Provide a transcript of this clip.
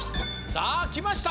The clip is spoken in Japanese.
さあきました！